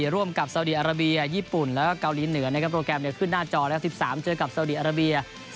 ร่วมกับเซาดีอะระเบียญี่ปุ่นและกาวลีเหนือโปรแกน่วดนี้ขึ้นหน้าจอโดย๑๓เจอกับเซาดีอะระเบีย